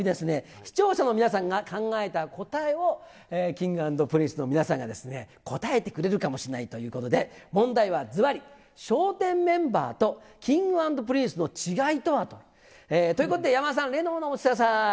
視聴者の皆さんが考えた答えを、Ｋｉｎｇ＆Ｐｒｉｎｃｅの皆さんが答えてくれるかもしれないということで、問題はずばり、笑点メンバーとＫｉｎｇ＆Ｐｒｉｎｃｅの違いとは？ということで山田さん、例のものを持ってきてください。